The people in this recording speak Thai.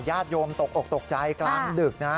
ญาติโยมตกอกตกใจกลางดึกนะ